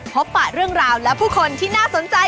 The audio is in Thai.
ปะเรื่องราวและผู้คนที่น่าสนใจ